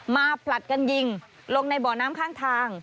ผลัดกันยิงลงในบ่อน้ำข้างทาง